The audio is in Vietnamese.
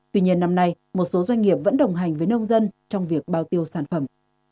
tuy nhiên năm nay một số doanh nghiệp vẫn đồng hành với nông dân trong việc bao tiêu sản phẩm